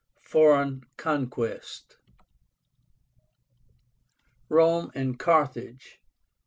FOREIGN CONQUEST. ROME AND CARTHAGE.